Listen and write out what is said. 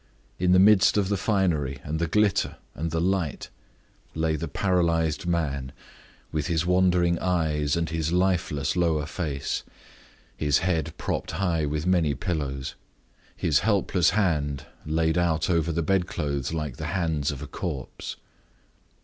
In the midst of the finery, and the glitter, and the light, lay the paralyzed man, with his wandering eyes, and his lifeless lower face his head propped high with many pillows; his helpless hands laid out over the bed clothes like the hands of a corpse.